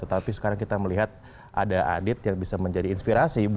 tetapi sekarang kita melihat ada adit yang bisa menjadi inspirasi